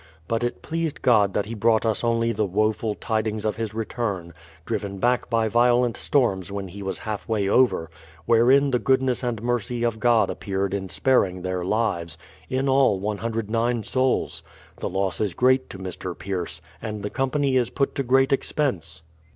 But it pleased God that he brought us only the woful tidings of his return, driven back by violent storms when he was half way over, wherein the goodness and mercy of God appeared in sparing their lives, — in all 109 souls ! The loss is great to Mr. Pierce, and the company is put to great expense.